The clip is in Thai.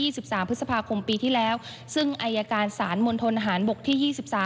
ที่๒๓พฤษภาคมปีที่แล้วซึ่งอัยการณ์สารมนตรฯหารบกที่๒๓